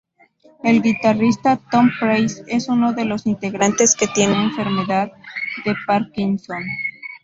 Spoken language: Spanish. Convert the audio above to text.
El guitarrista Tom Price es uno de los integrantes que tiene Enfermedad de Parkinson.